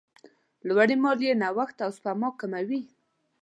لوړې مالیې نوښت او سپما کموي.